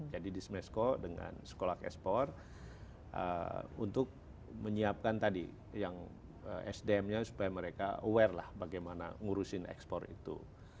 jadi di smesco dengan sekolah ekspor untuk menyiapkan tadi yang sdm nya supaya mereka aware lah bagaimana ngurusin ekspor itu